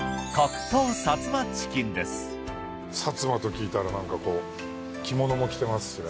薩摩と聞いたらなんかこう着物も着てますしね。